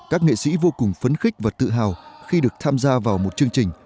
các nghệ sĩ vô cùng phấn khích và tự hào khi được tham gia vào một chương trình